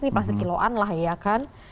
ini plastik kiloan lah ya kan